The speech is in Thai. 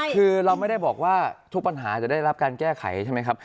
คือเราไม่ได้บอกว่าทุกปัญหาจะได้รับการแก้ไขใช่ไหมครับ